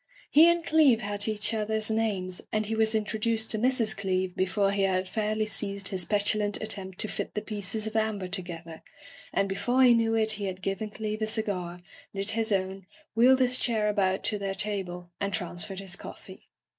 He and Cleeve had each other's names, and he was introduced to Mrs. Cleeve before he had fairly ceased his petulant attempt to fit the pieces of amber together, and before he knew it he had given Cleeve a cigar, lit his own, wheeled his chair about to their table, and transferred his coffee.